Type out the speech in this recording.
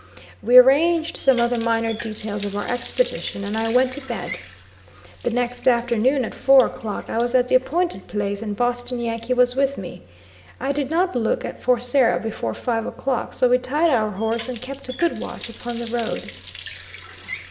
We arranged some other minor details of our expedition and I went to bed. The next afternoon at four o'clock I was at the appointed place, and Boston Yankee was with me. I did not look for Sarah before five o'clock, so we tied our horse and kept a good watch upon the road.